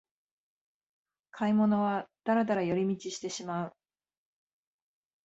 買い物はダラダラ寄り道してしまう